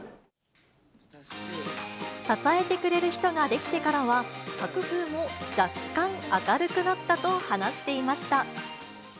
支えてくれる人ができてからは、作風も若干、明るくなったと話していました。